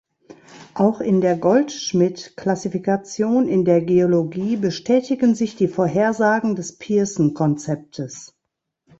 Auch in der Goldschmidt-Klassifikation in der Geologie bestätigen sich die Vorhersagen des Pearson-Konzeptes.